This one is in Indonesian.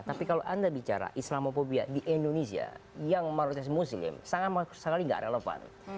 tapi kalau anda bicara islamophobia di indonesia yang mayoritas muslim sangat sangat tidak relevan